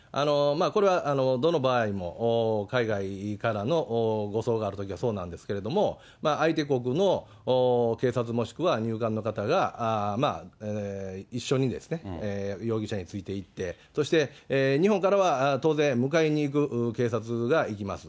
これはどの場合も、海外からの護送があるときはそうなんですけれども、相手国の警察もしくは入管の方が、一緒に容疑者についていって、そして日本からは当然、迎えに行く警察が行きます。